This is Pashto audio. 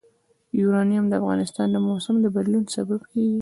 یورانیم د افغانستان د موسم د بدلون سبب کېږي.